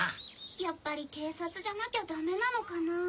やっぱり警察じゃなきゃダメなのかなぁ。